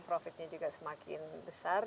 profitnya juga semakin besar